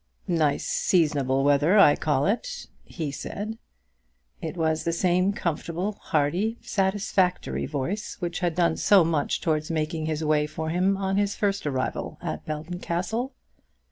"Nice seasonable weather, I call it," he said. It was the same comfortable, hearty, satisfactory voice which had done so much towards making his way for him on his first arrival at Belton Castle.